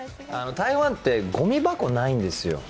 台湾ってごみ箱ないんですよ。